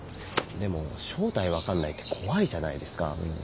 でも正体分かんないって怖いじゃないですか。